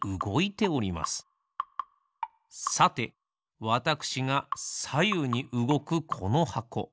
さてわたくしがさゆうにうごくこのはこ。